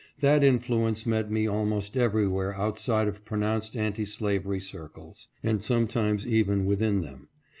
That influence met me almost everywhere outside of pronounced anti slavery circles, and sometimes even within them.